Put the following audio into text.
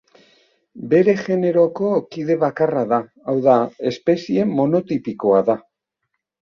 Bere generoko kide bakarra da, hau da, espezie monotipikoa da.